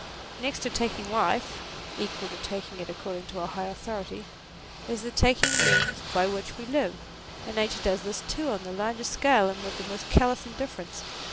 Next to taking life (equal to it according to a high authority) is taking the means by which we live ; and Nature does this too on the largest scale and with the most callous indifference.